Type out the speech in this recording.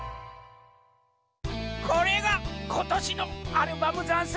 これがことしのアルバムざんす。